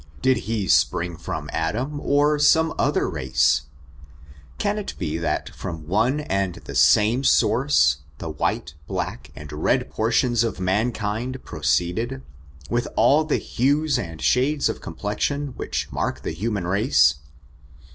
Did he spring from Adam, or some other race? Can it be, that from one and the same source, the white, black and red portions of mankind proceeded, with all the hues and shades of complexion which mark the human race?